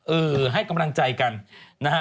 เออให้กำลังใจกันนะฮะ